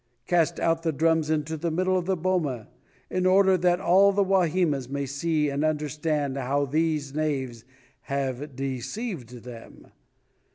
Cast out the drums into the middle of the boma, in order that all the Wahimas may see and understand how these knaves have deceived them.